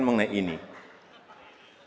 bagaimana bapak menjelaskan